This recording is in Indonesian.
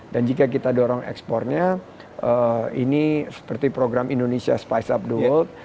dan jika kita dorong ekspornya ini seperti program indonesia spice up the world